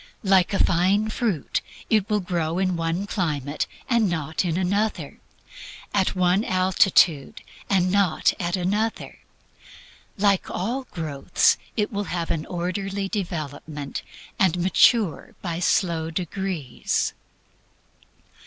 Like a fine fruit, it will grow in one climate, and not in another; at one altitude, and not at another. Like all growth it will have an orderly development and mature by slow degrees.